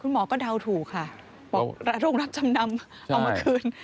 หมอก็เดาถูกค่ะบอกโรงรับจำนำเอามาคืน